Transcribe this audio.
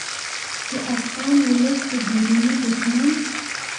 چې افغان ولس د بیروني دښمن